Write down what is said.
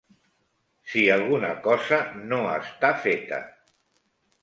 Si alguna cosa no està feta.